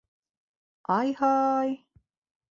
Ай-һай!..